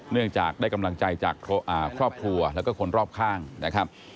เนื่องจากได้กำลังใจจากครอบครัวแล้วก็คนรอบข้างนะครับ